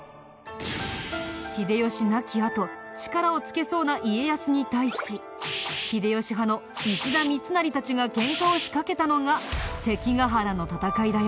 秀吉亡き後力をつけそうな家康に対し秀吉派の石田三成たちがケンカを仕掛けたのが関ヶ原の戦いだよ。